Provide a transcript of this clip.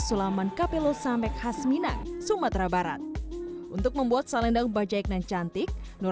sulaman capello samek hasminang sumatera barat untuk membuat salendang bajaik dan cantik nur